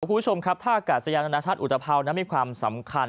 คุณผู้ชมครับท่ากาศยานานาชาติอุตภาวนั้นมีความสำคัญ